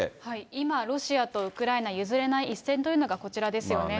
今、ロシアとウクライナ譲れない一線というのがこちらですよね。